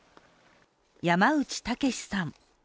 山内武さん。